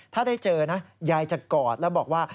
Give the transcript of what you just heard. ถ้าได้เจอนะยายจะกอดแล้วบอกว่า